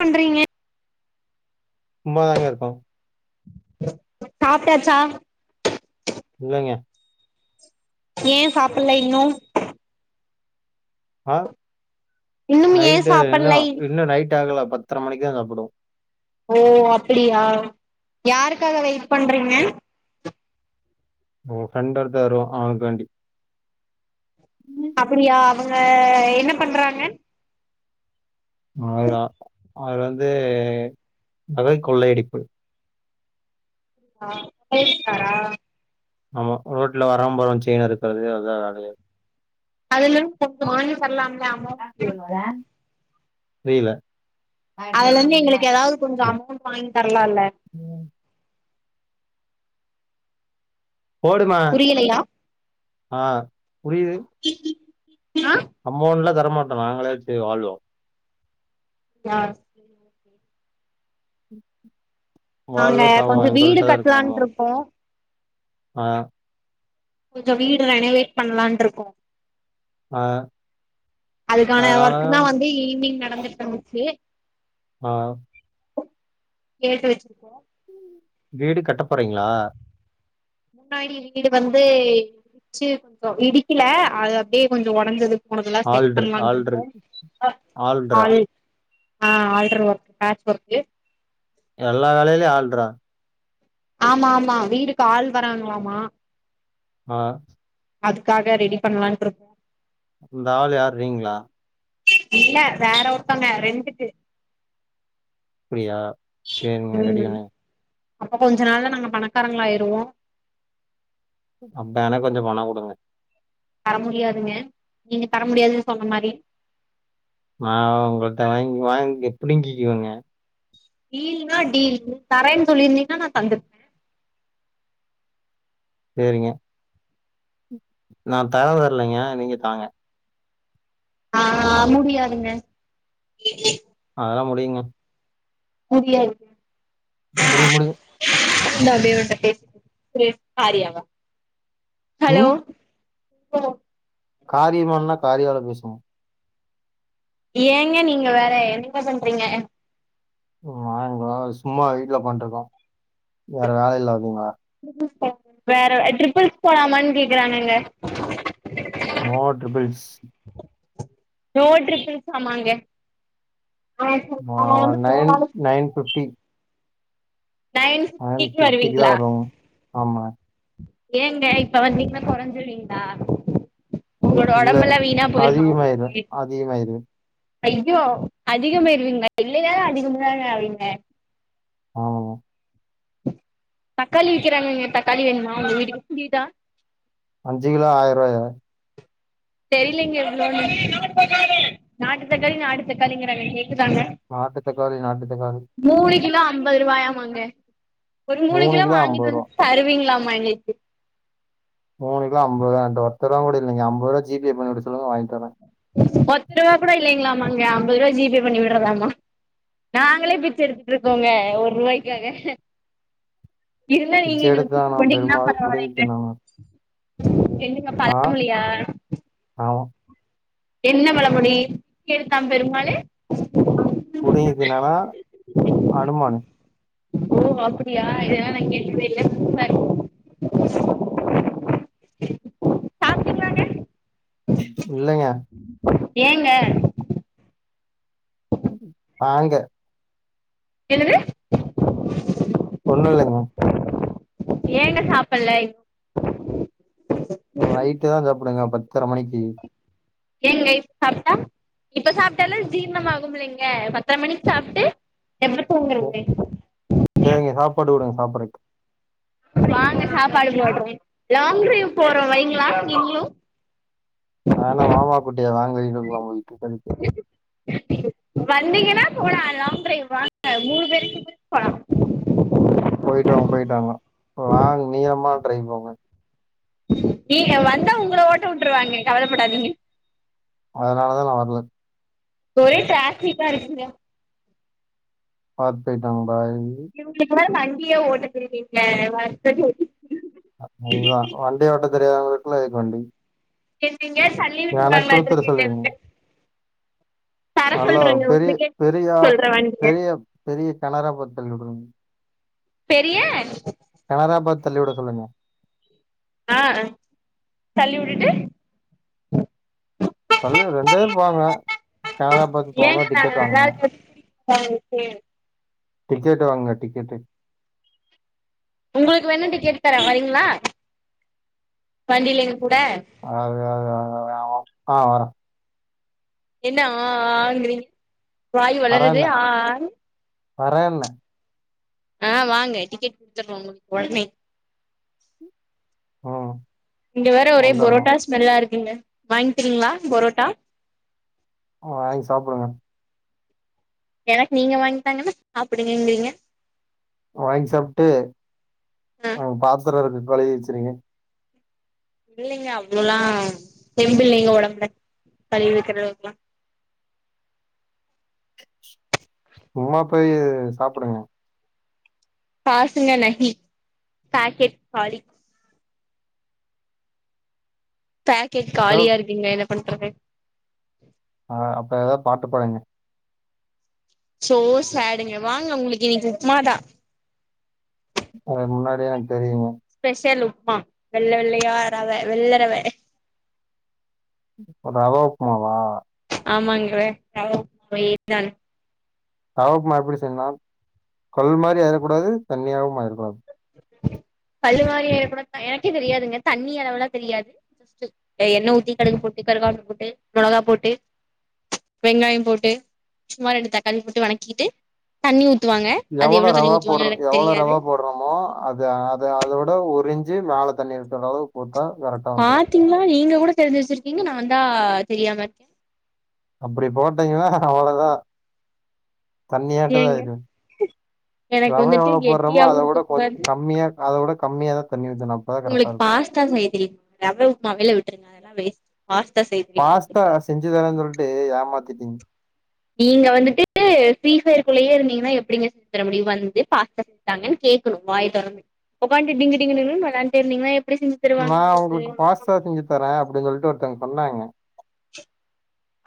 பண்றிங்க சும்மாதாங்க இருக்கோ சாப்டாச்சா இல்லைங்க ஏ சாப்பில்ல இன்னு ஆ இன்னும் ஏன் நைட்டு இன்னு சாப்பல்லை இன்னு நைட் ஆகல பத்தர மணிக்குதா சாப்புடுவோ ஓ அப்படியா யாருக்காக வெயிட் பண்றிங்க உ ஃப்ரெண்ட் ஒருத்த வருவா அவனுக்காண்டி அப்படியா அவங்க என்ன பண்றாங்க அ அது வந்து நகை கொள்ளையடிப்பு ஆ பேசுனாரா ஆமா ரோட்ல வர்றவ போறவ செயின அறுக்கற அதா வேலையா அதுலென்ன கஷ்ட வாங்கி தர்லாமே புரியல அதுலருந்து எங்களுக்கு எதாவது கொஞ்ச அமௌண்ட் வாங்கி தரலா இல்ல ம் போடுமா புரியலையா ஆ புரியுது அ அம்மோண்ட்லா தரமாட்டோ நாங்களே வச்சி வாழ்வோ யாச் நாங்க வாழ்வோ சாவோ கொஞ்சம் வீடு எங்கள்ட்டதா இருக்கு அம்மோ கட்டலான்ட்டு இருக்கோம் அ கொஞ்ச வீடு ரெனவேட் பண்லான்ருக்கோ ஆ அதுக்கான அதனால ஒர்க்குதா வந்து ஈவ்னிங் நடந்துட்டு சி அ கேட்டு வச்சிப்போ வீடு கட்டப்போறீங்ளா முன்னாடி வீடு வந்து விச்சு இருந்தோ இடிக்கில அது அப்டியே கொஞ்சோ ஒடஞ்சது போனக்துலா செக் ஆள்ரு ஆள்ரு பண்லான்ருக்கோ அ ஆள்ரா ஆள் ஆல்டரு ஒர்க் பேட்ச் ஒர்க்கு எல்லா வேலைலயு ஆள்றா ஆமா ஆமா வீடுக்கு ஆள் வராங்ளாமா அ அதுக்காக ரெடி பண்ணலான்ருக் இந்த ஆள் யார் நீங்ளா இல்ல வேற ஒர்த்தங்க ரெண்ட்டுக்கு ப்டியா சேரிங்க ம் ரெடிதானே அப்ப கொஞ்ச நாள்ல நாங்க பணக்காரங்கள் ஆயிருவோ அப்ப எனக்கொஞ்ச பணங்குடுங்க தர முடியாதுங்க நீங்க தர முடியாது சொன்ன மாரி அ உங்கள்ட்ட வாங்கி வாங்கி புடிங்கிக்கிவங்க டீல்னா டீல் நீ தரேன் சொல்லீர்ந்தீங்ன்னா நா தந்துர்ப் சேரிங்க நா தர வர்லைங்க நீங்க தாங்க அஹா முடியாதுங்க அதல்லா முடியுங்க முதியாது முடியு முடியு இந்தா அப்டியே அவன்ட்ட பேஸ் [inaudible] ஆரியாவா ஹலோ ஹெலோ காரியம் ஆவ்ணுண்ணா காரியால பேசுவோ ஏங்க நீங்க வேற என்னங்க பண்றீங்க வா இங்கோ சும்மா வீட்ல உக்காண்ட்ருக்கோ வேற வேல இல்ல வரிங்ளா வேற ட்ரிப்புள்ஸ் போலாமான் கேக்குறங்கங்க நோ ட்ரிப்புள்ஸ் நோ ட்ரிப்பிள்ஸாமாங்க அ சரி ஆ அவ வந்து நைன் போறானு நைன் ஃபிஃப்ட்டி நைன் ஃபிஃப்ட்டிக்கி ஃபிஃப்டிக்கு தா வருவீங்ளா வருவோங்க ஆமா ஏங்க இப்ப வந்தீங்ன்னா கொறஞ்சிருவீங்ளா ஒங்ளோட இல்ல ஒடம்பெல்லா வீணா போயிருமா அதிகமாயிரு அதிகமாயிரு ஐயோ அதிகமாய்ருவீங்ளா இல்லேனாலு அதிகமாதா ஆவீங்க ஆமாங்க தக்காளி விக்கிறாங்கங்க தக்காளி வேணுமா உங்க வீட்டுக்கு புரியுதா அஞ்சு கிலோ ஆயிருவாயா தெரியலிங்கே எவ்ளோன்னு நாட்டு தக்காளி நாட்டு தக்காளிங்கிறாங்க கேக்குதாங்க நாட்டு தக்காளி நாட்டு தக்காளி மூணு கிலோ ஐம்பது ரூவாயாமாங்க ஒரு மூணு கிலோ வாங்கிட்டு வந் தருவீங்ளாமா எங்குளுக்கு மூணு கிலோ அம்பதுரூவா என்ட்ட ஒத்தரூவா கூட இல்லிங்க ஐம்பரூவா ஜீபே பண்ணிவுட சொல்லுங்க வாங்கித்தற ஒத்த ரூவா கூட இல்லைங்ளாமாங்க ஐம்பது ரூபா ஜிபே பண்ணி விட்றதாம்மா நாங்களே பிச்ச எடுத்துட்டு இருக்கோங்க ஒர்ரூவாய்க்காக இருந்தா பிச்ச நீங்க எங்குளுக்கு பிச்ச எடுத்தானா போட்டீங்னா பெருமாள் புடுங்கி பரவால்லங்க தின்னானா என்னங்க ஆ பழமொழியா ஆமா என்ன பழமொழி பிச்ச எடுத்தா பெருமாளு புடிங்கிதின்னனா அனுமானு ஓ அப்பிடியா இதெல்லாம் நான் கேட்டதே இல்ல சூப்பரா இருக் சாப்ட்டீங்களாங்க இல்லைங்க ஏங்க ஆங்க என்னது ஒண்ணு இல்லங்க ஏங்க சாப்பல நைட்டு தான் சாப்பிடுவங்க பத்தர மணிக்கு ஏங்க இப்ப சாப்டா இப்ப சாப்டாலு ஜீர்ணம் ஆகும் இல்லைங்க பத்திர மணிக்கு சாப்டு எப்ப ஓ, தூங்கறிங்க நைட் சரிங்க சாப்பாடு குடுங்க சாப்பறக்கு வாங்க சாப்பாடு போட்ற லாங் டிரைவ் போறோம் வைங்ளா நீங்களு நானா மாமா குட்டியா [unintelligible] வந்தீங்கன்னா போலா லாங் ட்ரைவ் வாங்க மூணு பேருக்கு போயிட்டு வாங்க போயிட்டாங்க லாங் நீளமா ட்ரைவ் போங்க நீங்க வந்தா உங்கள ஓட்ட வுட்டுருவாங்க கவலப்படாதீங்க அதனாலதா நா வர்ல ஒரே டாராபிக்கா இருக்குங்க பாத்து போய்ட்டு வாங்க பாய் இவுங்குளுக்கு வேற வண்டியே ஓட்ட தெரியலீங்க [unintelligible] [unintelligible] வண்டி ஓட்ட தெரியவாதவங்களுக்குள்ளா எதுகு வண்டி என் எங்கியாச்சு தள்ளி எனக்கு கொடுத்துட சொல்லுங்க விட்டுலாங்லாட்டு [inaudible] நல்லா பெரி பெரியா சொல்றே வண்டிய பெரிய பெரிய கெணரா பாத்து தள்ளி வுட்றுங்க பெரிய கெனரா பாத்து தள்ளி வுட சொல்லுங்க ஆஹ தள்ளி வுட்டுட்டு தள்ளி வுடு ரெண்டு பேரும் போங்க கெனரா பாத்து ஏங்க போங்க நாங்க டிக்கெட் நல்லா வாங்குக இருக்கு. [unintelligible] டிக்கெட்டு வாங்க டிக்கெட்டு உங்களுக்கு வேணா டிக்கெட் தரே வரீங்களா வண்டில எங்க கூட அ அ அ து ஆ வர என்ன ஆ ஆங்கிறீங்க வாய் ஒளருது ஆஆனு வரன்ன ஆ வாங்க டிக்கெட் குடுத்துட்றோ உங்களுக்கு ஒடனே ஆ இங்க வேற ஒரே பொரோட்டா ஸ்மெல்லா இருக்குங்க வாங்கிட்டுக்கீங்களா பொரோட்டா வாங்கி சாப்பிடுங்க எனக்கு நீங்க வாங்கிதாங்கன்னா சாப்டுங்கங்கிறீங்க வாங்கி சாப்ட்டு ஆ அங்க பாத்தரம் இருக்கு கழுவி வச்சுருங்க இல்லைங்க அவ்ளோல்லா தெம்பு இல்லைங்க ஒடம்புல கழுவி வைக்கிற அளவுக்குல்லா சும்மா போய் சாப்புடுங்க காசுங்க நகி பேக்கெட் காலி பேக்கெட் ஏதோ காலியா இருக்குங்க என்ன பண்றது ஆ, அப்ப ஏதாவது பாட்டு பாடுங்க சோ சேடுங்க வாங்க உங்களுக்கு இன்னைக்கி உப்புமாதா அது முன்னாடியே எனக்கு தெரியுங்க ஸ்பெஷல் உப்புமா வெள்ள வெள்ளயா ரவ வெள்ளரவ ரவா உப்புமாவா ஆமாங்க ரவ ஒயிட்டா ரவர உப்புமா எப்படி செய்னுன்னா கல் மாரி ஆயிரக்கூடாது தண்ணியாவு ஆயிடக்கூடாது கல் மாரி ஆயிடக் கூடாதுன்னா எனக்கே தெரியாதுங்க தண்ணி அளவுல்லா தெரியாது ஃபர்ஸ்ட் அ எண்ணெ ஊத்தி கடுக்கு போட்டு கருகாப்புல்ல போட்டு மொளகா போட்டு வெங்காயம் போட்டு சும்மா ரெண்டு தக்காளி போட்டு வணக்கிட்டு தண்ணி ஊத்துவாங்க அது எவ்ளோ தண்ணி ஊத்துவாங்கனு எனக்கு தெரியாது றமோ அது அத அதோட ஒரு இஞ்சி மேல தண்ணி இருக்கறளவு ஊத்த கரெக்டா வந்துரு பாத்தீங்களா நீங்க கூட தெரிஞ்சு வச்சிருக்கீங்க நான்தா தெரியாமருக்கே அப்டி போட்டீங்கனா அவ்வளதா தண்ணியாட்டந்தா ஏங்க ஆயிடு எனக்கு ரவ வந்துட்டு எவ்ளோ போட்றமோ கெட்டியாவு அதை இருக்க விட கொஞ் கூடாது கம்மியா அதவிட கம்மியாதா தண்ணி ஊத்துனு அப்பதா கரெக்டா இருக்கு அதா செய்ய தெரியுது ரவ உப்புமாவ எல்லா விட்டுருங்க அதெல்லா வேஸ்ட் பாஸ்தா செய் பாஸ்தா செஞ்சுதரேன்னு சொல்லிட்டு ஏமாத்திட்டீங்க நீங்க வந்துட்டு ஃப்ரீஸர்குள்ளயே இருந்தீங்கனா எப்படிங்க செஞ்சு தர முடியு வந்து பாஸ்தா தாங்கனு கேக்கணு வாய தொறந்து ஒக்காண்ட்டு டிங்கு டிங்குனு வெளாண்ட்டே இருந்தீங்கனா எப்டி செஞ்சி நா உங்களுக்கு பாஸ்தா செஞ்சு தரே அப்டின்னு சொல்லிட்டு ஒருத்தவங்க சொன்னாங்க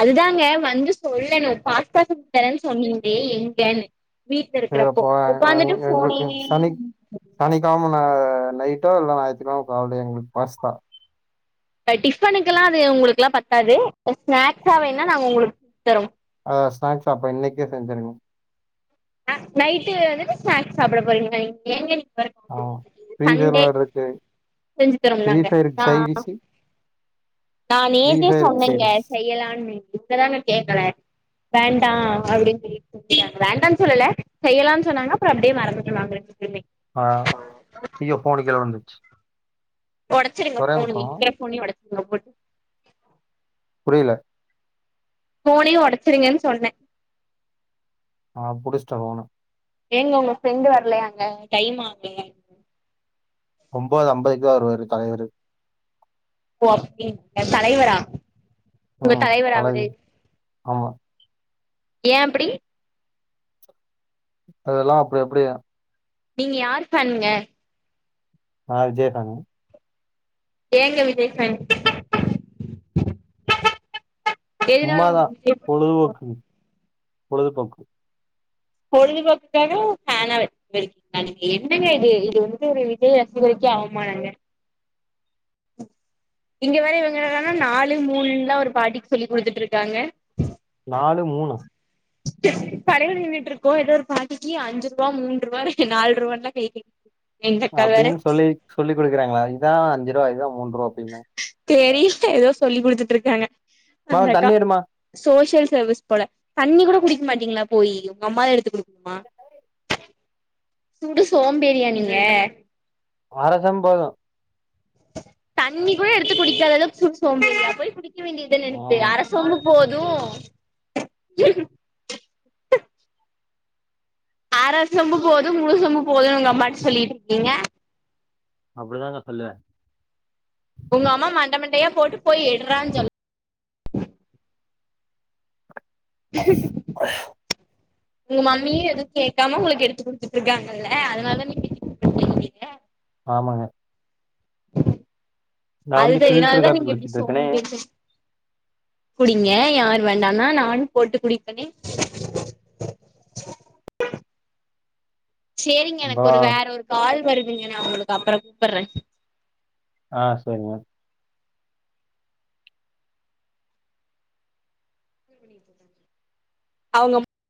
அதுதாங்க வந்து சொல்லணு பாஸ்தா செஞ்சி தரேன்னு சொன்னீங்களே எங்கனு வீட்ல சரி இருக்கறப்போ அப்போ உக்காந்துட்டு ஃபோனே சனிக்கெழமை ந நைட்டோ இல்ல ஞாயித்தக்கெழம காலைலயே எங்களுக்கு பாஸ்தா இப்ப டிஃபனுக்கெல்லா அது உங்களுக்குலா பத்தாது இ ஸ்நாக்ஸா வேணா நாங்க உங்களுக்கு செஞ்சி தரோ அ ஸ்நாக்ஸ் அப்ப இன்னைக்கே செஞ்சிருங்க அ நைட்டு வந்து ஸ்நாக்ஸ் சாப்ட போறீங்களா நீங்க எங்க வரப்போ, ஆமா சண்டே ஃப்ரீசர்ல இருக்கு செஞ்சு ஃப்ரீ தரோல்லாங்க ஃபயருக்கு ஆ, ஆ சைடிஷு நா ஃப்ரீ நேத்தே ஃபயருக்கு சொன்னேங்க சைடிஷ் செய்யலான்னு நீங்கதாங்க கேக்கல வேண்டா அப்டின்னு சொல்லி விட்டாங்க வேண்டானு சொல்லல செய்யலானு சொன்னாங்க அப்றோ அப்டியே மறந்துட்டோ நாங்களுமே அ ஐயோ போன் கீழ விழுந்ச்சு ஒடைச்சிடுங்க போன இருக்கற போனையு ஒடச்சுடுங்க போட்டு புரில போனியு ஒடச்சிருங்னு சொன்ன ஆ புடிச்ட்டா போன ஏங்க உங்க ஃப்ரெண்டு் வரலையங்க டைம் ஆகுது ஒம்பது அம்பதுக்தா வருவாரு தலைவரு ஓ அப்டிங்லா தலைவரா உங் ம் தலைவரா அவரு தலைவர் ஆமா ஏ அப்டி அதெல்லா அப்டி அப்டிய நீங்க யார் ஃபேன்ங்க நா விஜய் ஃபேனு ஏங்க விஜய் ஃபேன் எதுனால சும்மாதா உங்களுக்கு விஜய் பொழுதுபோக்கு பொழுதுபோக்கு பொழுதுபோக்குக்காக ஃபேனா அட என்னங்க இது இது வந்து ஒரு விஜய் ரசிகருக்கே அவமானங்க இங்க வேற இவங்க என்னான நாலு மூணுலா ஒரு பாட்டிக்கு சொல்லி் கொடுத்துட்டு இருக்காங்க நாலு மூணா படையகள் நின்னுட்டு இருக்கோ ஏதோ ஒரு பாட்டிக்கு அஞ்சு ரூபா மூன்று ரூபா நாலு ரூவான்லா கை எங்க அக்கா வேற அப்டின்னு சொல்லி சொல்லி் கொடுக்குறாங்ளா இதா அஞ்சு ரூபா இதா மூன்று ரூபா அப்டினு தெர்ல ஏதோ சொல்லி் கொடுத்துட்டு இருக்காங்க மா அந்த அக்கா தண்ணி எடுமா சோசியல் சர்வீஸ் போல தண்ணி கூட குடிக்க மாட்டீங்ளா போய் உங்க அம்மாதா எடுத்து கொடுக்கணுமா ஓய் சுடு சோம்பேரியா நீங்க அர செம்போது தண்ணி கூட எடுத்து குடிக்காத அளவுக்சுடு சோம்பேரியா போய் குடிக்க வேண்டிதான எடுத்து ஆமா அர செ ம்பு போது அற சொம்பு போதும முழு சொம்பு போதுனு உங்க அம்மாட்ட சொல்லிட்டு இருக்கீங்க அப்டிதாங்க சொல்லுவ உங்க அம்மா மண்டமண்டையா போட்டு போய் எட்றானு சொல்ல உங்க மம்மியு எதுவு கேட்காம உங்களுக்கு எடுத்து குடுத்துட்டு இருக்காங்கல அதனால தா நீங் ஆமாங்க நா வந்து அதுதா அதனால ஃபில்டர் தா காப்பி நீங்க இப்டி குடிச்சிட்டு இருக்கனே சோம்பேரியாயிரு குடிங்க யார் வேண்டானா நானு போட்டு குடிப்பனே சேரிங்க எனக்கு அப்பறோ ஒரு வேற ஒரு கால் வருதுங்க நா உங்களுக்கு அப்றோ கூப்பட்றே ஆ சேரிங்க அவுங்க